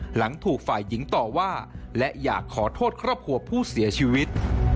หลังถูกฝ่ายหญิงต่อว่าและอยากขอโทษครอบครัวผู้เสียชีวิต